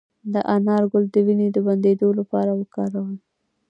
د انار ګل د وینې د بندیدو لپاره وکاروئ